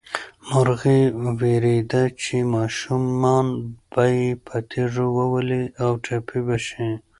مرغۍ وېرېده چې ماشومان به یې په تیږو وولي او ټپي به شي.